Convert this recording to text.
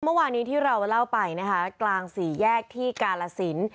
เมื่อวานี้ที่เราเล่าไปนะคะกลางสี่แยกที่กาลสิน